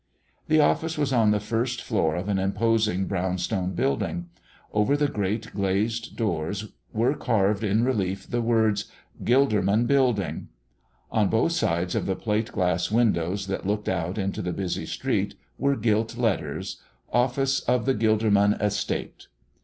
The office was on the first floor of an imposing brown stone building. Over the great, glazed doors were carved in relief the words: "GILDERMAN BUILDING." On both sides of the plate glass windows that looked out into the busy street were gilt letters: "OFFICE OF THE GILDERMAN ESTATE."